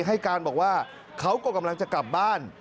ให้การบอกว่าเขาก็กำลังจะกลับบ้าน